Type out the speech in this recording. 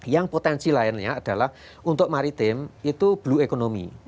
yang potensi lainnya adalah untuk maritim itu blue economy